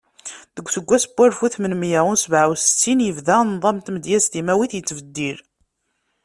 Deg useggas n walef u tmenmiya u sebɛa u settin, yebda nḍam n tmedyazt timawit yettbeddil.